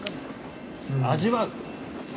味わう。